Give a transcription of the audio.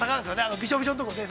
びしょびしょのときね。